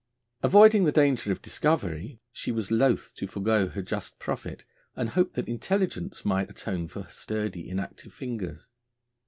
Avoiding the danger of discovery, she was loth to forego her just profit, and hoped that intelligence might atone for her sturdy, inactive fingers.